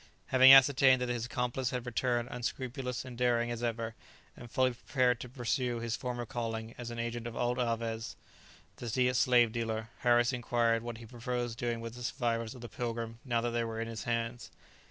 Having ascertained that his accomplice had returned unscrupulous and daring as ever, and fully prepared to pursue his former calling as an agent of old Alvez the slave dealer, Harris inquired what he proposed doing with the survivors of the "Pilgrim" now that they were in his hands.